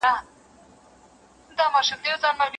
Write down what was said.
یوه جاهل مي، د خپلي کورنۍ تربیې له برکته